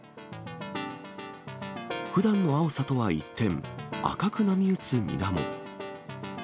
普段の青さとは一転、赤く波打つ水面。